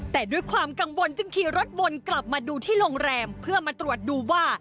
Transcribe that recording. แต่ด้วยความกังวลจึงขี่รถวนกลับมาดูที่โรงแรมเพื่อมาตรวจดูว่า